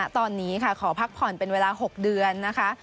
ตอนนี้ค่ะขอพักผ่อนเป็นเวลา๖เดือนนะคะ